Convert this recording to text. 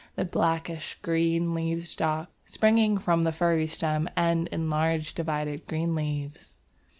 The blackish green leaf stalks springing from the furry stem end in large divided green leaves.